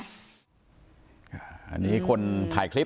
อันนี้คนถ่ายคลิป